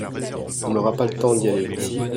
On n'aua pas le temps d'y aller ? Si !